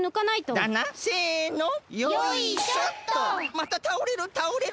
またたおれるたおれる！